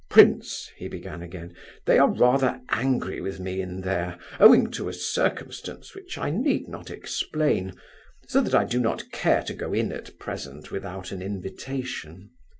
"Prince," he began again, "they are rather angry with me, in there, owing to a circumstance which I need not explain, so that I do not care to go in at present without an invitation.